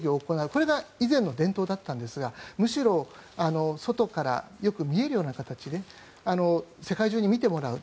これが以前の伝統だったんですがむしろ、外からよく見えるような形で世界中に見てもらう。